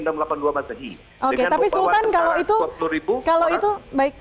oke tapi sultan kalau itu kalau itu baik